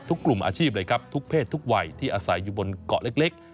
กลุ่มอาชีพเลยครับทุกเพศทุกวัยที่อาศัยอยู่บนเกาะเล็ก